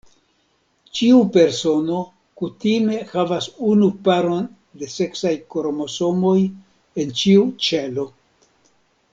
Ĉiu persono kutime havas unu paron de seksaj kromosomoj en ĉiu ĉelo.